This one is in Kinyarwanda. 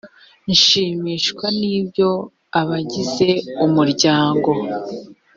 nshimishwa n ibyo abagize umuryango